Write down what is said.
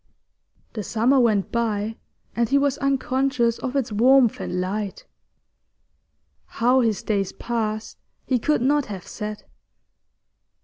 The summer went by, and he was unconscious of its warmth and light. How his days passed he could not have said.